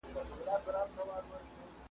زه که در ځم نو بې اختیاره درځم ,